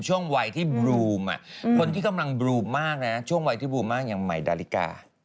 ช่วงวัยที่บลูมคนที่กำลังบลูมมากนะช่วงวัยที่บูมมากอย่างใหม่ดาลิกา